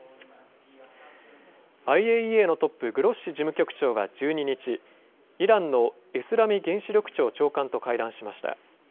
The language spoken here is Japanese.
ＩＡＥＡのトップ、グロッシ事務局長は１２日、イランのエスラミ原子力庁長官と会談しました。